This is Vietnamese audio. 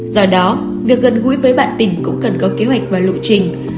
do đó việc gần gũi với bạn tỉnh cũng cần có kế hoạch và lộ trình